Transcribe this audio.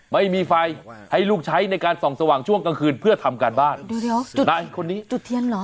ไม่มีไฟให้ลูกใช้ในการส่องสว่างช่วงกลางคืนเพื่อทำการบ้านคนนี้จุดเทียนเหรอ